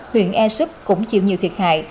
huyện e súp cũng chịu nhiều thiệt hại